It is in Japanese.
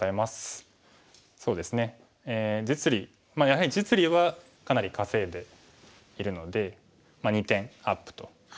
やはり実利はかなり稼いでいるので２点アップと。